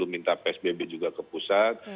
minta psbb juga ke pusat